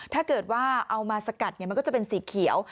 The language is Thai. ถ้าเกิดว่าเอามาสกัดมันก็จะเป็นสีเขียว